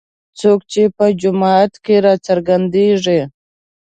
څوک چې په جوماتونو کې راڅرګندېږي.